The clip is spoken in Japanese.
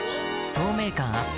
透明感アップ